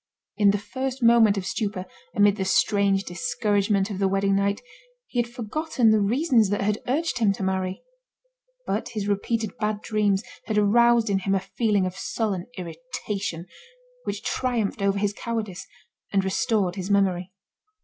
In the first moment of stupor, amid the strange discouragement of the wedding night, he had forgotten the reasons that had urged him to marry. But his repeated bad dreams had aroused in him a feeling of sullen irritation, which triumphed over his cowardice, and restored his memory.